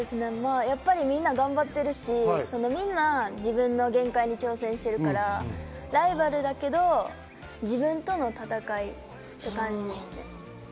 みんな頑張ってるし、自分の限界に挑戦してるから、ライバルだけど自分との戦いという感じですね。